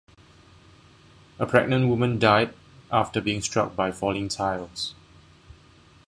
A pregnant woman died after being struck by falling tiles.